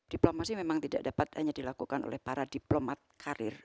diplomasi memang tidak dapat hanya dilakukan oleh para diplomat karir